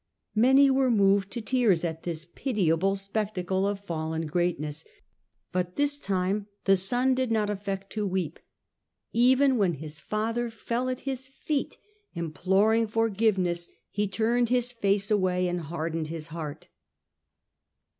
Many were moved to tears at this pitiable spectacle of fallen greatness \ but this time the son did not aSect to weep. Even when his father fell at his feet, imploring forgiveness, he turned his face away, and hardened his heart.